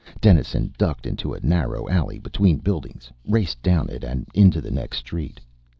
Dennison ducked into a narrow alley between buildings, raced down it and into the next street.